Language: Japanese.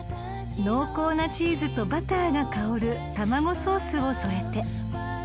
［濃厚なチーズとバターが香る卵ソースを添えて］